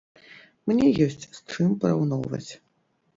Мне ёсць з чым параўноўваць.